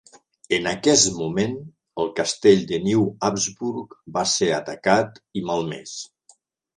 En aquest moment el castell de Neu Habsburg va ser atacat i malmès.